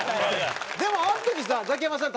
でもあの時さザキヤマさん